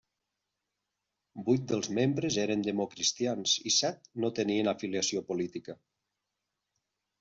Vuit dels membres eren democristians i set no tenien afiliació política.